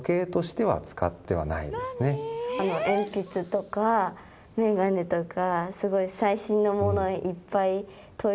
鉛筆とか眼鏡とか。